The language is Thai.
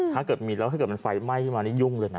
ถ้าเกิดมีแล้วถ้าเกิดมันไฟไหม้ขึ้นมานี่ยุ่งเลยนะ